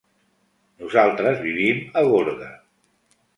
Nosaltres vivim a Gorga.